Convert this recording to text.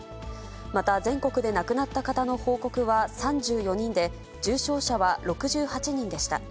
また全国で亡くなった方の報告は３４人で、重症者は６８人でした。